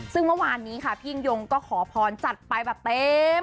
ซึ่งเมื่อวานนี้ค่ะพี่ยิ่งยงก็ขอพรจัดไปแบบเต็ม